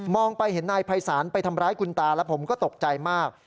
ไปเห็นนายภัยศาลไปทำร้ายคุณตาแล้วผมก็ตกใจมาก